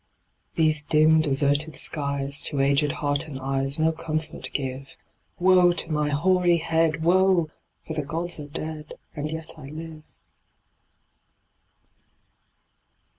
These dim, deserted skies To aged heart and eyes No comfort give : Woe to my hoary head ! Woe ! for the gods are dead, And yet I live.